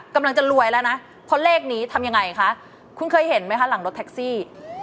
กำลังจะรวยแล้วนะเพราะเลขนี้ทำยังไงคะคุณเคยเห็นไหมคะหลังรถแท็กซี่